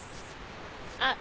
あっ。